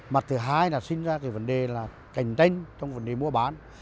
mặt thứ hai là sinh ra cái vấn đề là cạnh tranh trong vấn đề mua bán